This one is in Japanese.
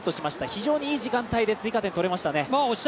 非常にいい時間帯で２点目をとりましたね。